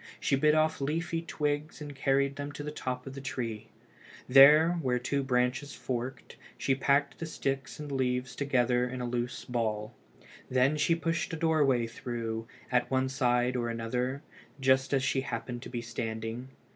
She bit off leafy twigs and carried them to the top of the tree. There, where two branches forked, she packed the sticks and leaves together in a loose ball. Then she pushed a doorway through, at one side or another, just as she happened to be standing.